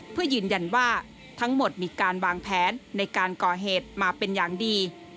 เพื่อยืนยันว่าทั้งหมดมีการวางแผนในการก่อเหตุมาเป็นอย่างดี